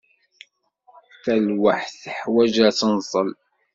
Talwaḥt teḥwaǧ aṣenṣal.